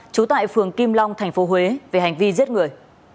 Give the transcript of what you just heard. trú tại phường kim long tp huế về hành vi giết người